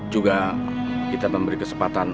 juga kita memberi kesempatan